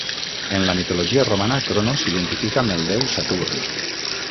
En la mitologia romana, Cronos s'identifica amb el déu Saturn.